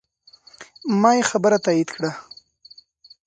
ما یې خبره تایید کړه.